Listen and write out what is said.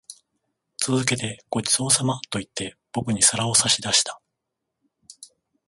続けて、ご馳走様と言って、僕に皿を差し出した。